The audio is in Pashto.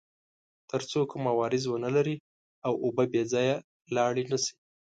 تر څو کوم عوارض ونلري او اوبه بې ځایه لاړې نه شي.